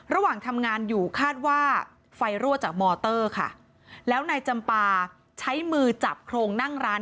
ระหว่างทำงานอยู่คาดว่าไฟรั่วจากมอเตอร์ค่ะแล้วนายจำปาใช้มือจับโครงนั่งร้าน